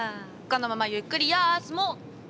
このままゆっくりやすもう。